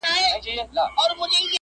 نه احتیاج یمه د علم نه محتاج د هنر یمه ,